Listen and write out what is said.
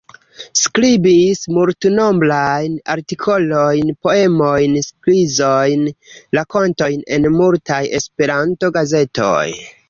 Skribis multnombrajn artikolojn, poemojn, skizojn, rakontojn en multaj Esperanto-gazetoj.